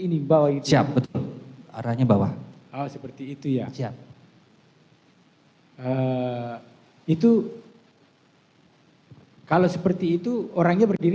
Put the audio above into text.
ini bawah itu siap betul arahnya bawah hal seperti itu ya siap itu kalau seperti itu orangnya berdiri